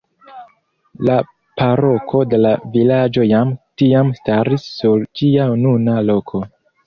La paroko de la vilaĝo jam tiam staris sur ĝia nuna loko.